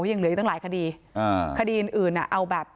ยังเหลืออยู่ตั้งหลายคดีอ่าคดีอื่นอื่นอ่ะเอาแบบ